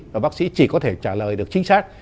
và bác sĩ chỉ có thể trả lời được chính xác